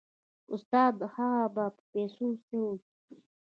استاده هغه به په پيسو څه وکي.